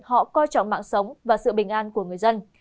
họ coi trọng mạng sống và sự bình an của người dân